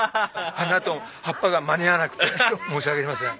花と葉っぱが間に合わなくて申し訳ありません。